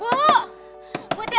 bu bu tiana